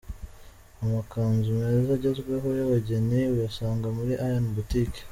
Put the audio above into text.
Amakanzu meza agezweho y'abageni uyasanga muri Ian Boutique.